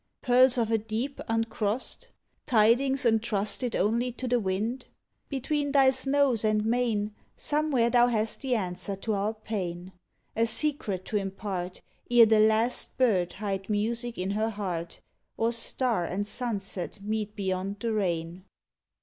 Pearls of a deep uncrossed? Tidings entrusted only to the wind? 80 CALIFORNIA Between thy snows and main, Somewhere thou hast the answer to our pain A secret to impart Ere the last bird hide music in her heart, Or star and sunset meet beyond the rain.